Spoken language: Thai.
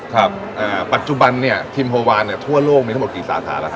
ครับอ่าปัจจุบันเนี่ยทิมโฮวานเนี่ยทั่วโลกมีทั้งหมดกี่สาขาแล้วครับ